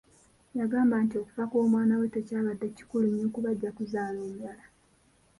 Yabagamba nti okufa kw'omwana we tekyabadde kikulu nnyo kuba ajja kuzaala omulala.